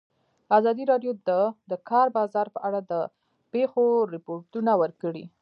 ازادي راډیو د د کار بازار په اړه د پېښو رپوټونه ورکړي.